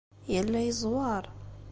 Yella yeẓweṛ.